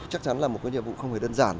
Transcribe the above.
chắc chắn là một nhiệm vụ không hề đơn giản